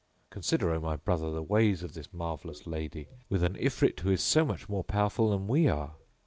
Consider, O my brother, the ways of this marvellous lady with an Ifrit who is so much more powerful than we are.